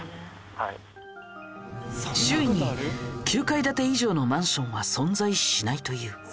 周囲に９階建て以上のマンションは存在しないという。